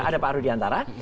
ada pak arudi antara